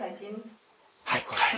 はい。